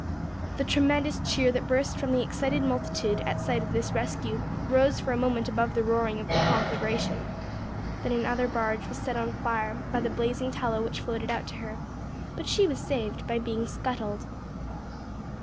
The tremendous cheer that burst from the excited multitude at sight of this rescue rose for a moment above the roaring of the conflagration. Then another barge was set on fire by the blazing tallow which floated out to her, but she was saved by being scuttled.